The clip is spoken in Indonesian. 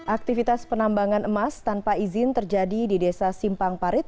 aktivitas penambangan emas tanpa izin terjadi di desa simpangparit